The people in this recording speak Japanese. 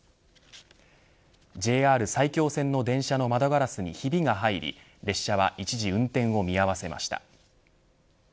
ＪＲ埼京線の電車の窓ガラスにひびが入り列車は一時運転を見合わせました。